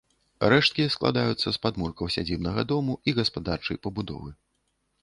Рэшткі складаюцца з падмуркаў сядзібнага дому і гаспадарчай пабудовы.